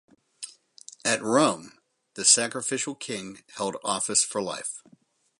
At Rome, the Sacrificial King held office for life.